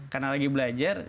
karena lagi belajar